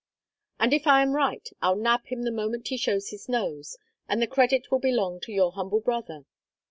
"And if I am right I'll nab him the moment he shows his nose; and the credit will belong to your humble brother.